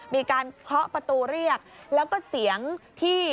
มีการเคาะประตูเรียกแล้วก็เสียงที่